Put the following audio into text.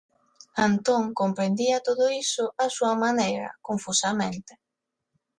Antón comprendía todo isto á súa maneira, confusamente.